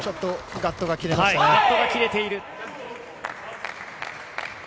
ガットが切れている。